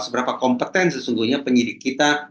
seberapa kompeten sesungguhnya penyidik kita